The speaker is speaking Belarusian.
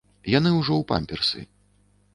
Яны ўжо ў памперсы.